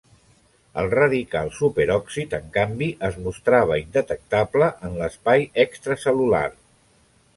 El radical superòxid, en canvi, es mostrava indetectable en l’espai extracel·lular.